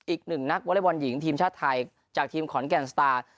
อีกหนึ่งนักวอเล็กบอลหญิงทีมชาติไทยจากทีมขอนแก่นสตาร์